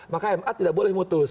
maka ma tidak boleh mutus